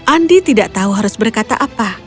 andi tidak tahu harus berkata apa